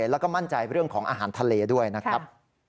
แล้วก็มั่นใจเรื่องของอาหารทะเลด้วยนะครับ